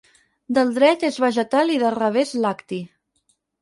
Del dret és vegetal i del revés lacti.